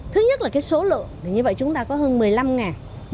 thứ nhất là cái số lượng như vậy chúng ta có hơn một mươi năm